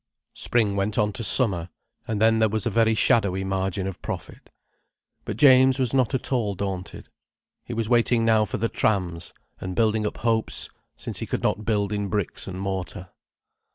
Spring went on to summer, and then there was a very shadowy margin of profit. But James was not at all daunted. He was waiting now for the trams, and building up hopes since he could not build in bricks and mortar.